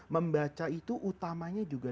membaca itu utamanya